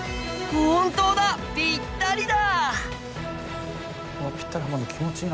本当だぴったりだ。